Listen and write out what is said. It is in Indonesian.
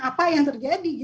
apa yang terjadi